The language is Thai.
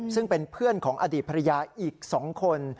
ซึ่งเป็นเพื่อนของอดีตภรรยาอีก๒คน